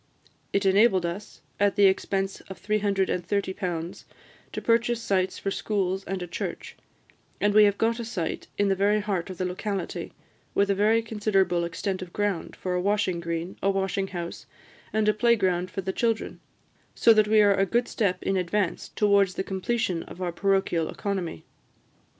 It enabled us, at the expense of £330, to purchase sites for schools, and a church; and we have got a site in the very heart of the locality, with a very considerable extent of ground for a washing green, a washing house, and a play ground for the children, so that we are a good step in advance towards the completion of our parochial economy."